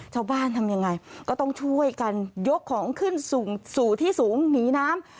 ทำยังไงก็ต้องช่วยกันยกของขึ้นสู่ที่สูงหนีน้ำ